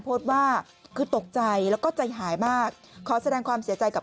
โพสต์ว่าคือตกใจแล้วก็ใจหายมากขอแสดงความเสียใจกับ